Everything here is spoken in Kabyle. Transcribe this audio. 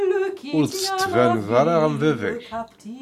Ur d-tettbaned ara am baba-k.